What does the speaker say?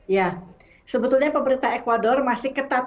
ya sebetulnya pemerintah ecuador masih ketat